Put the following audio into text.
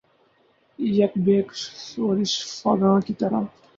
یک بیک شورش فغاں کی طرح